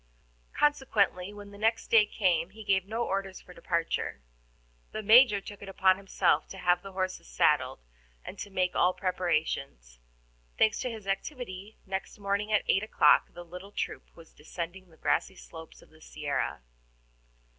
Consequently, when next day came, he gave no orders for departure; the Major took it upon himself to have the horses saddled, and make all preparations. Thanks to his activity, next morning at eight o'clock the little troop was descending the grassy slopes of the Sierra.